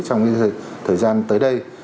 trong thời gian tới đây